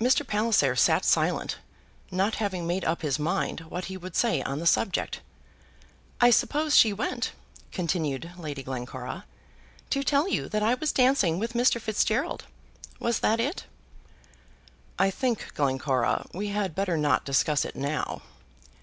Mr. Palliser sat silent, not having made up his mind what he would say on the subject. "I suppose she went," continued Lady Glencora, "to tell you that I was dancing with Mr. Fitzgerald. Was that it?" "I think, Glencora, we had better not discuss it now."